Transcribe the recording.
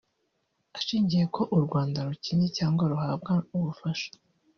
ashingiye ko u Rwanda rukennye cyangwa ruhabwa ubufasha